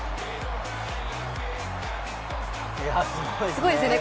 すごいですね。